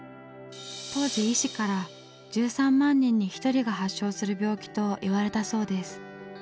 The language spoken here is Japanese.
当時医師から１３万人に１人が発症する病気と言われたそうです。